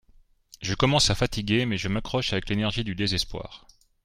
Je commence à fatiguer mais je m'accroche avec l'énergie du désespoir